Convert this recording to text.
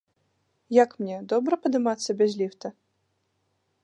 Як мне, добра падымацца без ліфта?